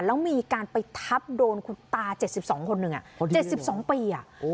แล้วมีการไปทับโดนคุณตา๗๒คนหนึ่ง๗๒ปี